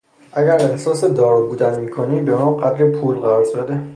اگر احساس دارا بودن میکنی به من قدری پول قرض بده.